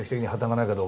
はい。